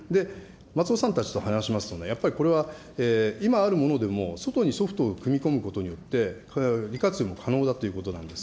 まつおさんたちと話しますと、やっぱりこれは今あるものでも、外にソフトを組み込むことによって、利活用も可能だということなんです。